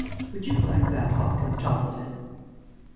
Would you like that, Hopkins Toppleton?"